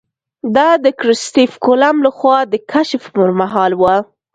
دا د کرسټېف کولمب له خوا د کشف پر مهال وه.